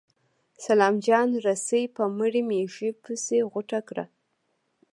سلام جان رسۍ په مړې مږې پسې غوټه کړه.